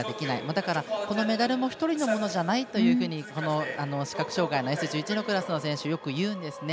だから、このメダルも１人のものじゃないと視覚障がいのＳ１１の選手はよくいうんですね。